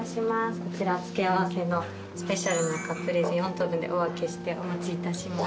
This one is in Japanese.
こちら付け合わせのスペシャルなカプレーゼ４等分でお分けしてお持ちいたしました。